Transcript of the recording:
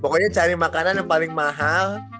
pokoknya cari makanan yang paling mahal